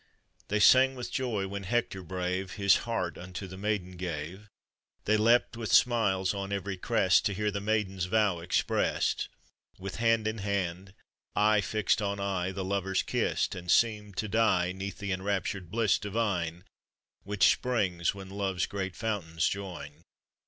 They sang with joy when Hector brave His heart unto the maiden gave ; They leapt with smiles on every crest, To hear the maiden's vow expressed. With hand in hand, eye fixed on eye, The lovers kissed, and seemed to die 'Neath the enraptured bliss divine, Which springs when Love's great fountains join.